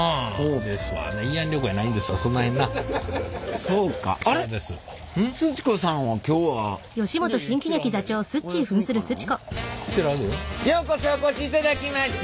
ようこそお越しいただきました。